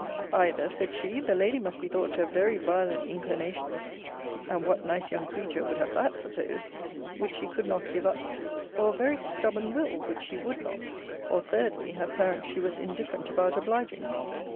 Either, said she, the lady must be thought to have very violent inclinations [And what nice young creature would have that supposed?] which she could not give up; or a very stubborn will, which she would not; or, thirdly, have parents she was indifferent about obliging.